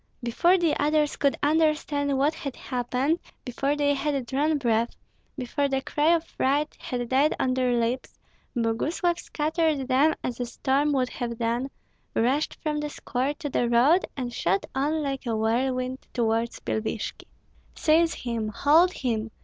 Before the others could understand what had happened, before they had drawn breath, before the cry of fright had died on their lips, Boguslav scattered them as a storm would have done, rushed from the square to the road, and shot on like a whirlwind toward Pilvishki. "Seize him! Hold him!